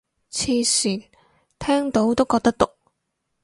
黐線，聽到都覺得毒